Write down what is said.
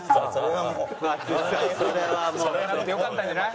淳さんそれは。しゃべらなくてよかったんじゃない？